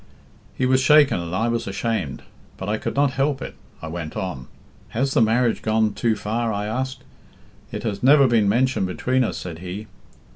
"He was shaken and I was ashamed, but I could not help it, I went on. 'Has the marriage gone too far?' I asked. 'It has never been mentioned between us,' said he.